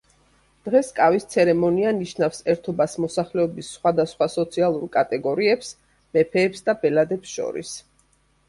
დღეს კავის ცერემონია ნიშნავს ერთობას მოსახლეობის სხვადასხვა სოციალურ კატეგორიებს, მეფეებს და ბელადებს შორის.